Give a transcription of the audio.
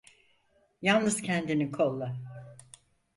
Yalnız kendini kolla.